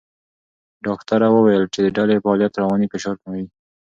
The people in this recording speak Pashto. ډاکټره وویل چې د ډلې فعالیت رواني فشار کموي.